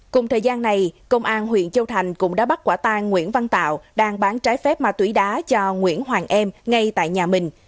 cùng thời gian này công an huyện châu thành cũng đã bắt quả tang nguyễn văn tạo đang bán trái phép ma túy đá cho nguyễn hoàng em ngay tại nhà mình